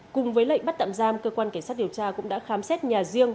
cùng với lệnh bắt tạm giam cơ quan cảnh sát điều tra cũng đã khám xét nhà riêng